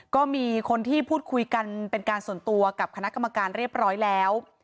ก็มีคนที่พูดคุยกันเป็นการส่วนตัวกับคณะกรรมการเรียบร้อยแล้ว